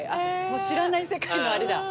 『知らない世界』のあれだ。